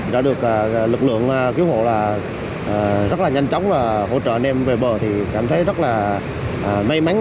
đã được lực lượng cứu hộ rất là nhanh chóng và hỗ trợ nền về bờ thì cảm thấy rất là may mắn